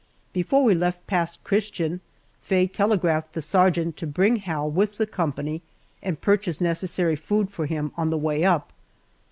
Before we left Pass Christian Faye telegraphed the sergeant to bring Hal with the company and purchase necessary food for him on the way up.